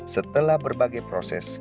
setelah berbagai proses